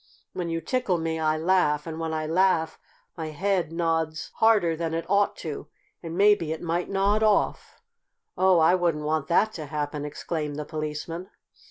When you tickle me I laugh, and when I laugh my head nods harder than it ought to, and maybe it might nod off." "Oh, I wouldn't want that to happen!" exclaimed the Policeman.